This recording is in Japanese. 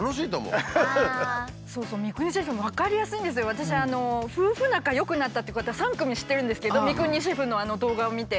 私夫婦仲良くなったっていう方３組知ってるんですけど三國シェフの動画を見て。